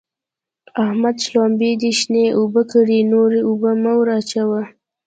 احمده! شلومبې دې شنې اوبه کړې؛ نورې اوبه مه ور اچوه.